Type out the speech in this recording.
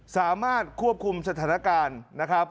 สามารถควบคุมสถานการณ์นะครับ